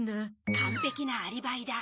「完璧なアリバイ」だ。